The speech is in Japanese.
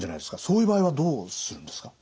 そういう場合はどうするんですか？